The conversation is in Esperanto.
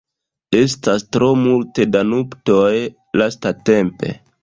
Estas tro multe da nuptoj lastatempe.